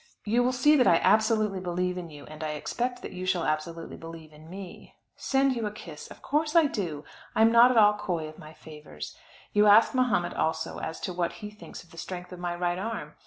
You will see that I absolutely believe in you and I expect that you shall absolutely believe in me. Send you a kiss! Of course I do; I am not at all coy of my favours. You ask Mahomet also as to what he thinks of the strength of my right arm.